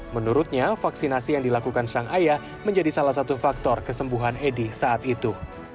menurutnya vaksinasi yang dilakukan sang ayah menjadi salah satu faktor kesembuhan edi saat itu